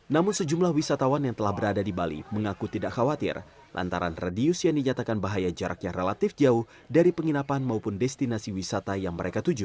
namun sejumlah wisatawan yang telah berada di bali mengaku tidak khawatir lantaran radius yang dinyatakan bahaya jaraknya relatif jauh dari penginapan maupun destinasi wisata yang mereka tuju